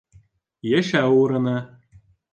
Йәшәү урыны